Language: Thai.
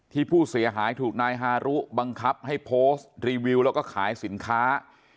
ที่ผู้เสียหายถูกนายฮารุบังคับให้โพสต์รีวิวแล้วก็ขายสินค้า